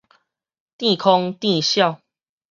佯悾佯痟